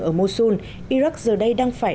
ở mosul iraq giờ đây đang phải